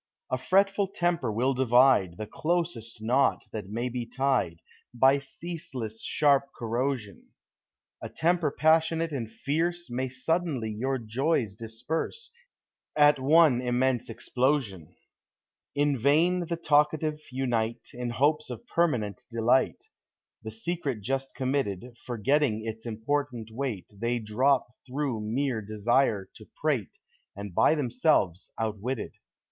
A fretful temper will divide The closest knot that may he tied, lly ceaseless sharp corrosion ; A temper passionate and fierce May suddenly your joys disperse At one immense explosion. Digitized by Google FRIENDSHIP. In vain the talkative unite In hopes of permanent delight — The secret just committed, Forgetting its important weight, They drop through mere desire to prate. And by themselves outwitted.